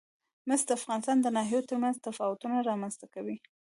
مس د افغانستان د ناحیو ترمنځ تفاوتونه رامنځ ته کوي.